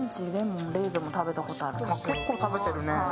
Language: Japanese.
結構食べてるね。